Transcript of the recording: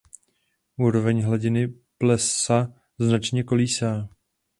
Úroveň hladiny plesa značně kolísá.